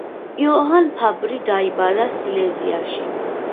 იოჰან ფაბრი დაიბადა სილეზიაში.